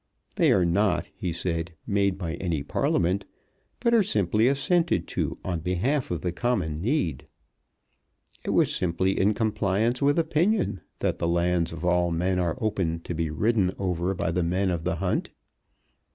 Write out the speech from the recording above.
They are not, he said, made by any Parliament, but are simply assented to on behalf of the common need. It was simply in compliance with opinion that the lands of all men are open to be ridden over by the men of the hunt.